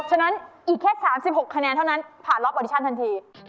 ฉะนั้นอีกแค่๓๖คะแนนเท่านั้นผ่านล็อปอดิชันทันที